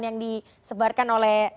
yang disebarkan oleh